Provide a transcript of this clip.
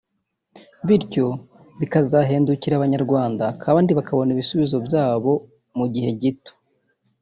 bityo bikazahendukira Abanyarwanda kandi bakabona ibisubizo byabo mu gihe gito